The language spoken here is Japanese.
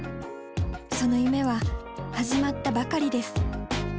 その夢は始まったばかりです。